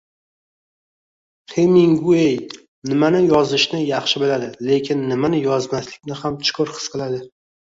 Heminguey nimani yozishni yaxshi biladi, lekin nimani yozmaslikni ham chuqur his qiladi